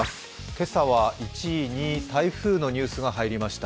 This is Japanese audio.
今朝は１位に台風のニュースが入りました。